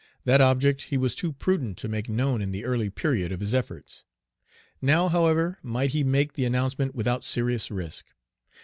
That object he was too prudent to make known in the early period of his efforts. Now, however, might he make the announcement without serious risk.